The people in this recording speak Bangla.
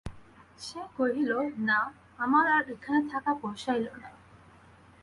সে কহিল, না, আমার আর এখানে থাকা পোষাইল না।